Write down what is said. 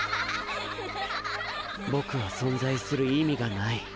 僕は存在する意味がない。